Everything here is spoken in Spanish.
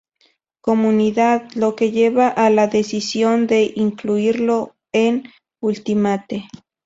Comunidad, lo que lleva a la decisión de incluirlo en Ultimate.